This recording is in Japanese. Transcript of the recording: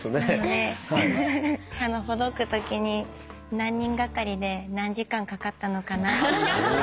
なのでほどくときに何人がかりで何時間かかったのかなと。